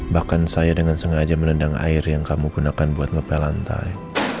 bahkan saya dengan sengaja menendang air yang kamu gunakan buat ngepel lantai